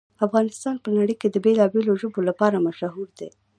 افغانستان په نړۍ کې د بېلابېلو ژبو لپاره مشهور دی.